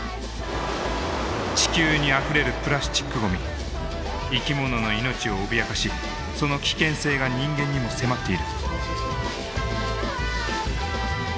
地球にあふれるプラスチックごみ生き物の命を脅かしその危険性が人間にも迫っている。